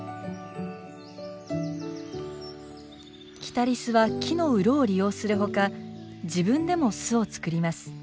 キタリスは木の洞を利用するほか自分でも巣を作ります。